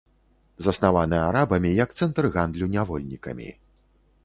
Заснаваны арабамі як цэнтр гандлю нявольнікамі.